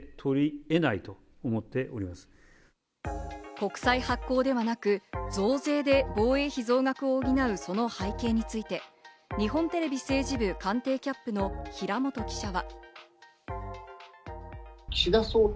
国債発行ではなく、増税で防衛費増額を補うその背景について日本テレビ政治部官邸キャップの平本記者は。